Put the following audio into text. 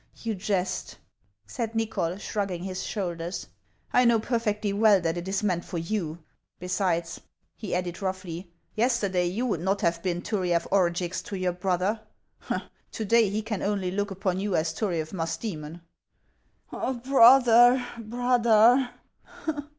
You jest," said Xychol, shrugging his shoulders. " 1 know perfectly well that it is meant for you. Besides," he added roughly, "yesterday you would not have been Turiaf Orugix to your brother ; to day he can only look upon you as Turiaf Musdoemon." " Brother, brother